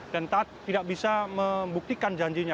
dan taat tidak bisa membuktikan janjinya